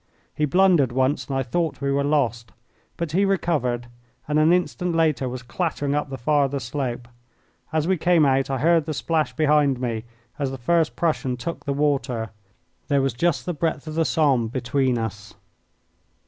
He blundered once and I thought we were lost, but he recovered and an instant later was clattering up the farther slope. As we came out I heard the splash behind me as the first Prussian took the water. There was just the breadth of the Sambre between us.